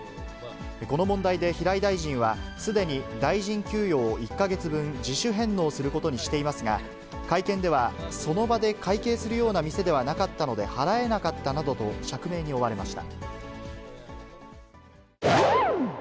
この問題で平井大臣は、すでに大臣給与を１か月分自主返納することにしていますが、会見では、その場で会計するような店ではなかったので、払えなかったなどと釈明に追われました。